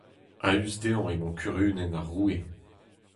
A-us dezhañ emañ kurunenn ar roue.